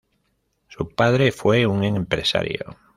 Su padre fue un empresario.